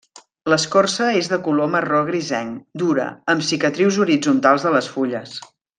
L'escorça és de color marró grisenc, dura, amb cicatrius horitzontals de les fulles.